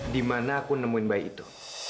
dimana aku nemuin bayi itu